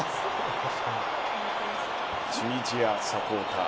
チュニジアサポーター